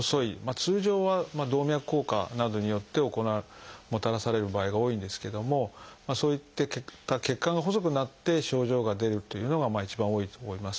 通常は動脈硬化などによってもたらされる場合が多いんですけどもそういった血管が細くなって症状が出るというのが一番多いと思います。